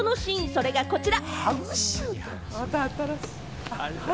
それが、こちら。